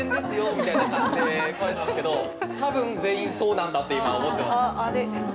みたいな感じで言われてますけど多分全員、そうなんだ！と思ってますよ。